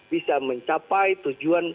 bisa mencapai tujuan